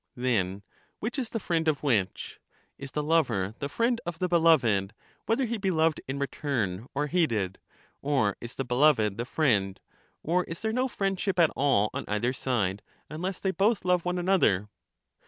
Then which is the friend of which? Is the lover the friend of the beloved, whether he be loved in re turn, or hated ; or is the beloved the friend ; or is there no friendship at all on either side, unless they both love one another?